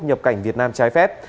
nhập cảnh việt nam trái phép